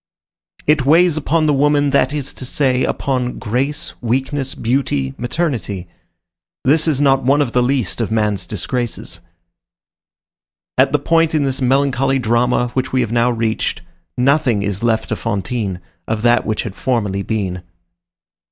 It weighs upon the woman, that is to say, upon grace, weakness, beauty, maternity. This is not one of the least of man's disgraces. At the point in this melancholy drama which we have now reached, nothing is left to Fantine of that which she had formerly been.